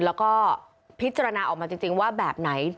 แล้วก็พิจารณาออกมาจริงว่าแบบไหน